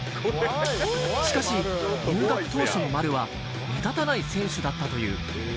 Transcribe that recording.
しかし、入学当初の丸は目立たない選手だったという。